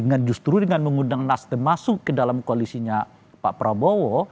nah justru dengan mengundang nasdem masuk ke dalam koalisinya pak prabowo